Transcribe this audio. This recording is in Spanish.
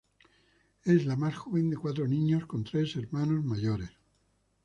Es la más joven de cuatro niños, con tres hermanos mayores.